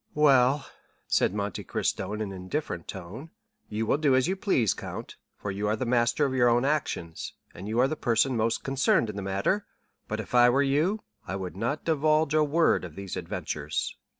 "Well," said Monte Cristo in an indifferent tone, "you will do as you please, count, for you are the master of your own actions, and are the person most concerned in the matter, but if I were you, I would not divulge a word of these adventures.